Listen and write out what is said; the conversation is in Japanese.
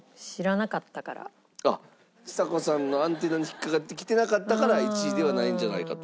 ちさ子さんのアンテナに引っかかってきてなかったから１位ではないんじゃないかと。